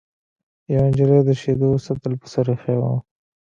یوې نجلۍ د شیدو سطل په سر ایښی و.